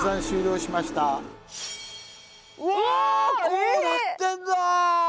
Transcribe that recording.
こうなってんだ！